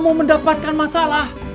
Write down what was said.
dan mendapatkan masalah